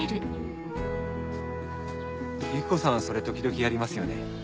ユキコさんそれ時々やりますよね。